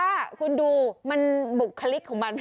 เชื่อขึ้นเร็ว